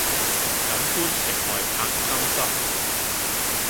錦官城外柏森森